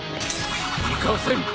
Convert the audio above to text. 行かせん！